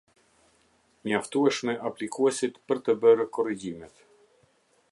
Mjaftueshme aplikuesit për të bërë korrigjimet.